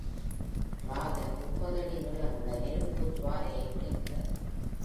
Dragon முப்பது அடி நீளமுள்ள நெருப்பு ஜூவாலையை வெளிவிட்டது.